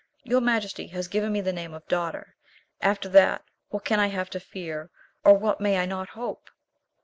Your majesty has given me the name of daughter; after that what can I have to fear, or what may I not hope?"